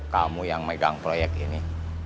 kamu yang megang proyek ini